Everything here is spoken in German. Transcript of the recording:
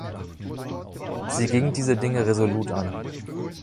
Sie ging diese Dinge resolut an.